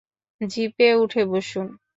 জিপে উঠে বসুন!